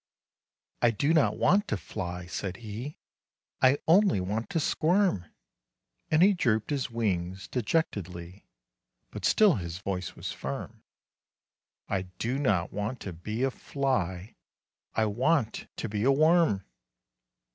"I do not want to fly," said he,"I only want to squirm!"And he drooped his wings dejectedly, But still his voice was firm:"I do not want to be a fly!I want to be a worm!